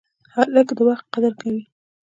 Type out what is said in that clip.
هلک د وخت قدر کوي.